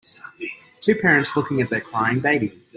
Two parents looking at their crying baby.